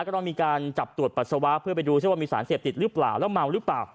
ก็ต้องมีการจับตรวจปัสสาวะเพื่อไปดูซิว่ามีสารเสพติดหรือเปล่าแล้วเมาหรือเปล่า